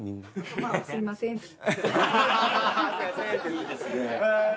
いいですねえ。